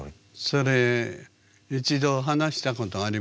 それ一度話したことありますか？